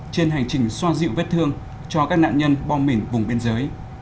trên hành trình xoa dịu vết thương cho các nạn nhân bom mìn vùng biên giới